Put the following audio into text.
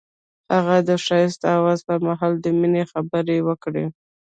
هغه د ښایسته اواز پر مهال د مینې خبرې وکړې.